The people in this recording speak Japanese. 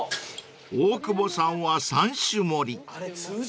［大久保さんは３種盛り］あれ通常？